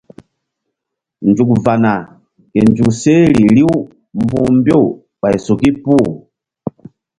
Nzuk va̧ na ke nzuk seh ri riw mbu̧h mbew ɓay suki puh.